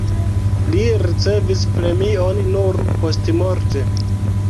Li ricevis premion nur postmorte.